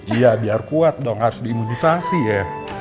iya biar kuat dong harus di imunisasi ya